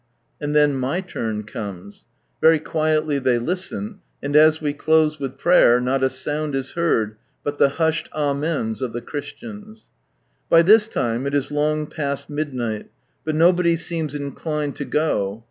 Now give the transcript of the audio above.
And then my turn comes. Very quietly they listen, and as we close witii prayer not a sound is heard but the hushed " Amens " of the Christians, By this time it is long past midnight, but nobody seems inclined to go.